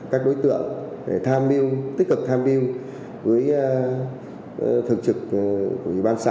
các đối tượng để tham mưu tích cực tham mưu với thực trực của dự ban xã